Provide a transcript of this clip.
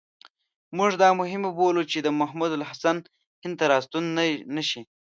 موږ دا مهمه بولو چې محمود الحسن هند ته را ستون نه شي.